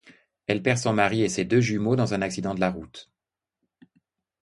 Elle perd son mari et ses deux jumeaux dans un accident de la route.